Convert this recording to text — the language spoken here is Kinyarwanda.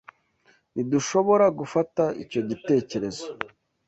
Ntidushobora gufata icyo gitekerezo.